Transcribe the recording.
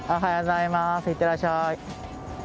いってらっしゃい！